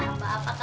eh apa kamu berdua